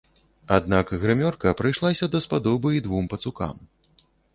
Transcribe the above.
Аднак грымёрка прыйшлася даспадобы і двум пацукам.